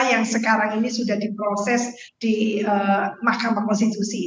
yang sekarang ini sudah diproses di mahkamah konstitusi